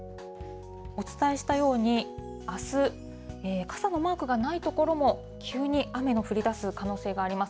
お伝えしたように、あす、傘のマークがない所も急に雨の降りだす可能性があります。